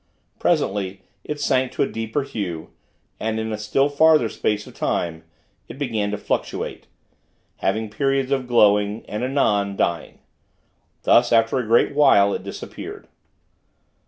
Presently, it sank to a deeper hue; and, in a still further space of time, it began to fluctuate; having periods of glowing, and anon, dying. Thus, after a great while, it disappeared.